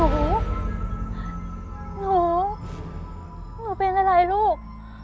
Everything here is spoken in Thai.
หนูหนูเป็นอะไรลูก